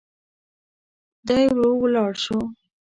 دی ورو ولاړ شو.